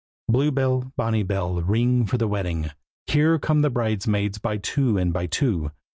Blue bell, bonny bell, ring for the wedding! Here come the bridesmaids by two and by two.